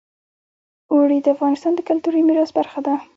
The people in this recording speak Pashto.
اوړي د افغانستان د کلتوري میراث برخه ده.